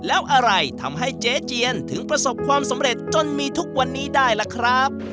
แล้วอะไรทำให้เจ๊เจียนถึงประสบความสำเร็จจนมีทุกวันนี้ได้ล่ะครับ